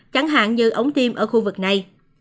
chẳng hạn như ống tiêm ở khu vực này